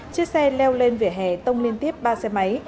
chiếc xe leo lên vỉa hè tông liên tiếp ba xe máy